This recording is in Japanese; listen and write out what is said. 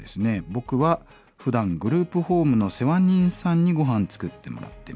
「僕はふだんグループホームの世話人さんにごはん作ってもらってます。